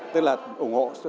tức là ủng hộ